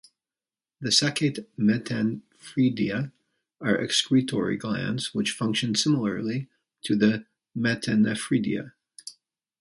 The saccate metanephridia are excretory glands which function similarly to the metanephridia.